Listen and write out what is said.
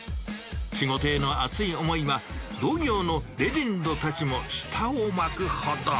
仕事への熱い思いは、同業のレジェンドたちも舌を巻くほど。